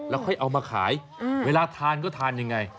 ค่อยเอามาขายเวลาทานก็ทานยังไง